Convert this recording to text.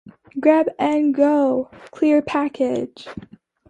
'Grab-N-Go' clear packages.